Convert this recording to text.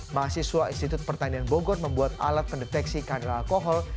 mahasiswa institut pertanian bogor membuat alat pendeteksi kadar alkohol